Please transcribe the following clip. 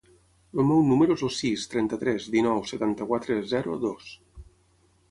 El meu número es el sis, trenta-tres, dinou, setanta-quatre, zero, dos.